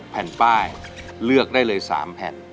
แผ่นป้ายเลือกได้เลย๓แผ่น